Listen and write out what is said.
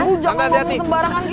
ibu jangan bangun sembarangan gitu